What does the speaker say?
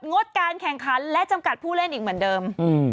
ดการแข่งขันและจำกัดผู้เล่นอีกเหมือนเดิม